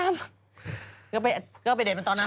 แล้วไปเด็ดมันตอนนั้นล่ะ